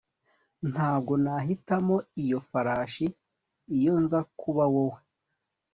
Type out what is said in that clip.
Ntabwo nahitamo iyo farashi iyo nza kuba wowe